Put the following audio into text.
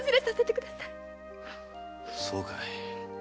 そうかい。